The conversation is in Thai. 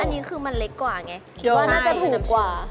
อันนี้คือมันเล็กกว่าไงคิดว่าน่าจะผืนกว่า